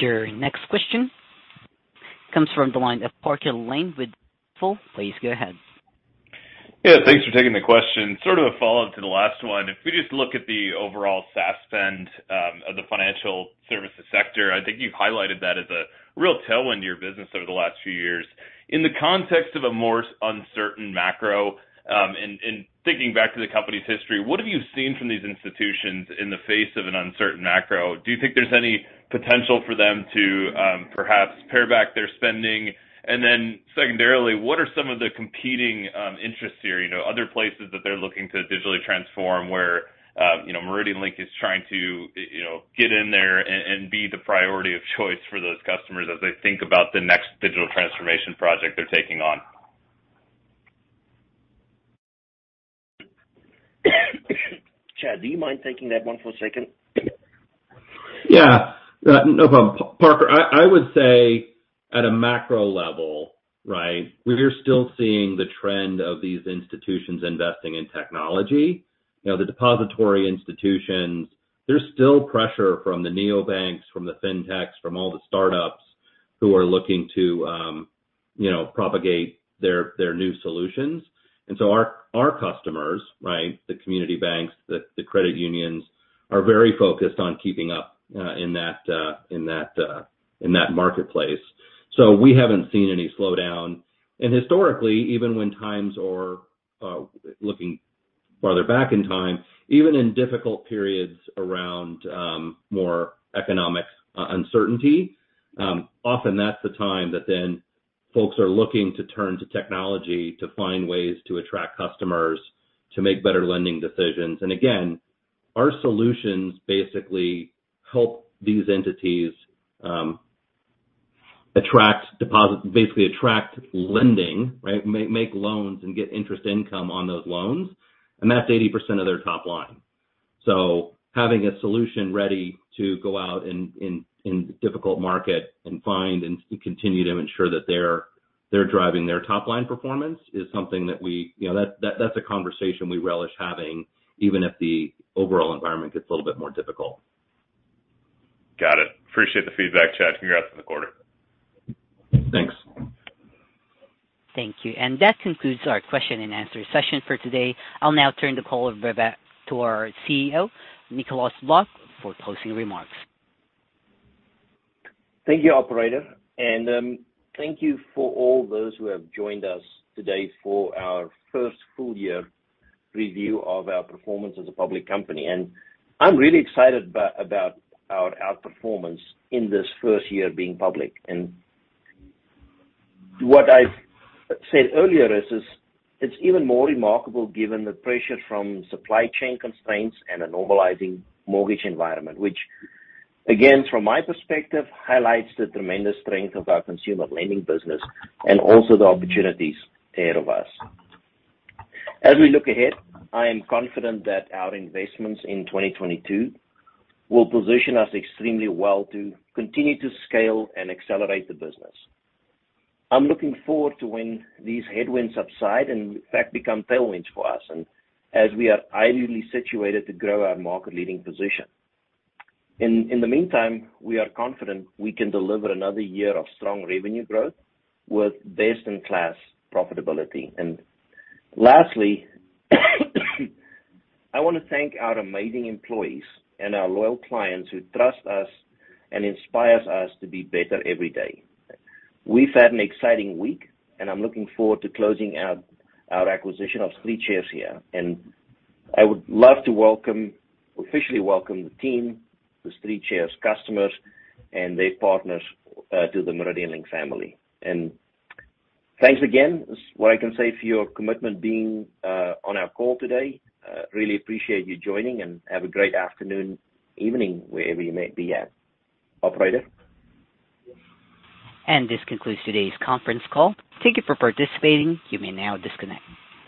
Your next question comes from the line of Parker Lane with Stifel. Please go ahead. Thanks for taking the question. Sort of a follow-up to the last one. If you just look at the overall SaaS spend of the Financial Services sector, I think you've highlighted that as a real tailwind in your business over the last few years. In the context of a more uncertain macro and thinking back to the company's history, what have you seen from these institutions in the face of an uncertain macro? Do you think there's any potential for them to perhaps pare back their spending? And then secondarily, what are some of the competing interests here? Are there places that they're looking to digitally transform where MeridianLink is trying to get in there and be the priority of choice for those customers as they think about the next digital transformation project they're taking on? Chad, do you mind taking that one for a second? Yeah, no problem. Parker, I would say at a macro level, right, we're still seeing the trend of these institutions investing in technology. The depository institutions, there's still pressure from the neo banks, from the fintechs, from all the start-ups who are looking to propagate their new solutions. And so our customers, right, the community banks, the credit unions are very focused on keeping up in that marketplace. So we haven't seen any slowdown. And historically, even when times or looking farther back in time, even in difficult periods around more economic uncertainty, often that's the time that then folks are looking to turn to technology to find ways to attract customers to make better lending decisions. And again, our solutions basically help these entities attract deposits, basically attract lending, right, make loans and get interest income on those loans. And that's 80% of their top line. So having a solution ready to go out in a difficult market and find and continue to ensure that they're driving their top-line performance is something that we, that's a conversation we relish having even if the overall environment gets a little bit more difficult. Got it. Appreciate the feedback, Chad. Congrats on the quarter. Thanks. Thank you. That concludes our question and answer session for today. I'll now turn the call over back to our CEO, Nicolaas Vlok, for closing remarks. Thank you, operator. Thank you for all those who have joined us today for our first full year review of our performance as a public company. I'm really excited about our performance in this first year being public. What I've said earlier is it's even more remarkable given the pressure from supply chain constraints and a normalizing mortgage environment, which again, from my perspective, highlights the tremendous strength of our Consumer Lending business and also the opportunities ahead of us. As we look ahead, I am confident that our investments in 2022 will position us extremely well to continue to scale and accelerate the business. I'm looking forward to when these headwinds subside and in fact become tailwinds for us, as we are ideally situated to grow our market-leading position. In the meantime, we are confident we can deliver another year of strong revenue growth with best-in-class profitability. Lastly, I wanna thank our amazing employees and our loyal clients who trust us and inspires us to be better every day. We've had an exciting week, and I'm looking forward to closing out our acquisition of StreetShares here. I would love to officially welcome the team, the StreetShares customers and their partners to the MeridianLink family. Thanks again. That's what I can say for your commitment being on our call today. Really appreciate you joining, and have a great afternoon, evening, wherever you may be at. Operator? This concludes today's conference call. Thank you for participating. You may now disconnect.